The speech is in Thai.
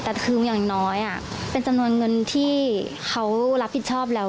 แต่คืออย่างน้อยเป็นจำนวนเงินที่เขารับผิดชอบแล้ว